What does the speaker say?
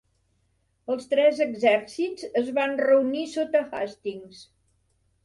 Els tres exèrcits es van reunir sota Hastings.